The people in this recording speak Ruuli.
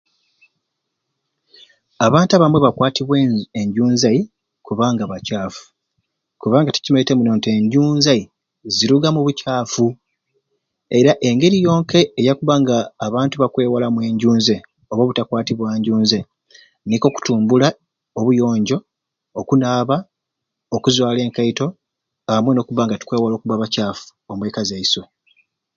Abantu abamwe bakwatibwa enzu enjunzai kubanga bacaafu. Kubanga tukimaite muno nti enjunzai ziruga mu bucaafu era engeri yonkai eyakubba nga abantu bakwewalamu enjunzai oba obutakwatubwa njunzai, nikwo kutumbula obuyonjo, okunaaba, okuzwala enkaito, amwe n'okwewala okubba abacaafu omweka zaiswe.